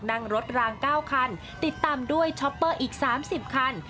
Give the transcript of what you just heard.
นั่งรถราง๙คันติดตามด้วยช้อปเปอร์อีก๓๐คัน